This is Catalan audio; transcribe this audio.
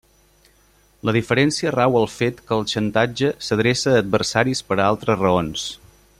La diferència rau al fet que el xantatge s'adreça a adversaris per a altres raons.